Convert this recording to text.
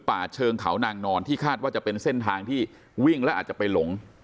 เชิงเขานางนอนที่คาดว่าจะเป็นเส้นทางที่วิ่งแล้วอาจจะไปหลง